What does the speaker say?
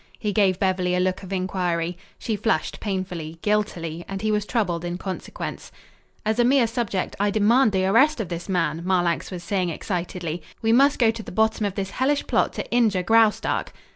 He gave Beverly a look of inquiry. She flushed painfully, guiltily, and he was troubled in consequence. "As a mere subject, I demand the arrest of this man," Marlanx was saying excitedly. "We must go to the bottom of this hellish plot to injure Graustark."